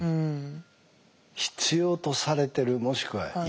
必要とされてるもしくは居場所